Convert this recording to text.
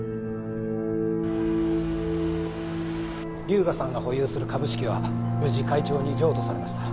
龍河さんが保有する株式は無事会長に譲渡されました。